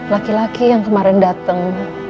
laki laki yang kemarin datang